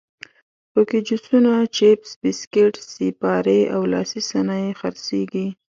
په کې جوسونه، چپس، بسکیټ، سیپارې او لاسي صنایع خرڅېږي.